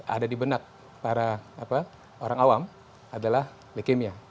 ada di benak para orang awam adalah leukemia